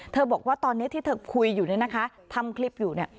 เธอบอกว่าตอนนี้ที่เธอคุยอยู่ทำคลิปอยู่